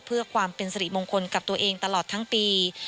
เพื่อความเป็นสริมงคลกับตัวเองตลอดทั้งปี